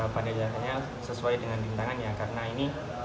pandai jangkanya sesuai dengan bintangan ya karena ini